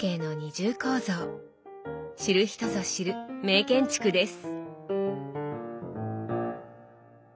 知る人ぞ知る名建築です。